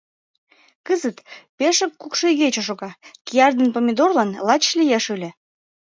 Кызыт пешак кукшо игече шога, кияр ден помидорлан лач лиеш ыле.